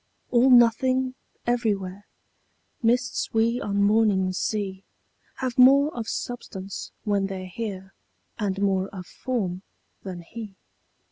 All nothing everywhere: Mists we on mornings see Have more of substance when they're here And more of form than he.